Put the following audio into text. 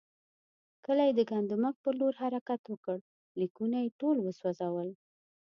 کله یې د ګندمک پر لور حرکت وکړ، لیکونه یې ټول وسوځول.